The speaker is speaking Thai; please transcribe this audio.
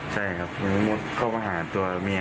ใช่ครับมันมุดเข้าไปหาตัวเมีย